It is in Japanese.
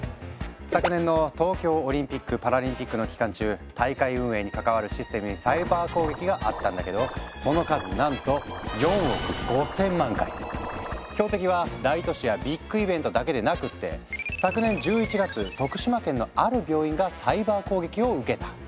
昨年の東京オリンピックパラリンピックの期間中大会運営に関わるシステムにサイバー攻撃があったんだけどその数なんと標的は大都市やビッグイベントだけでなくって昨年１１月徳島県のある病院がサイバー攻撃を受けた。